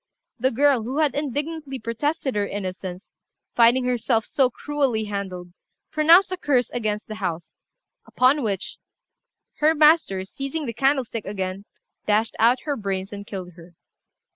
The girl, who had indignantly protested her innocence, finding herself so cruelly handled, pronounced a curse against the house; upon which, her master, seizing the candlestick again, dashed out her brains and killed her.